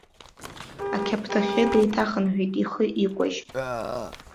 Ақьаԥҭахьы деиҭахынҳәит ихы икәажь.